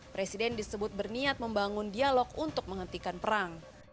presiden disebut berniat membangun dialog untuk menghentikan perang